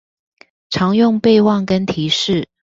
常用備忘跟提示